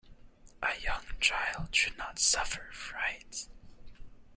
A young child should not suffer fright.